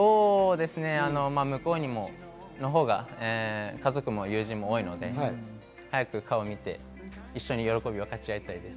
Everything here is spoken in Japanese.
向こうのほうが家族も友人も多いので早く顔を見て、一緒に喜びを分かち合いたいです。